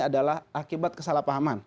adalah akibat kesalahpahaman